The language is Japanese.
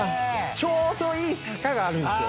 ちょうどいい坂があるんですよ。